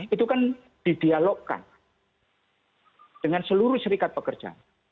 itu kan didialogkan dengan seluruh serikat pekerja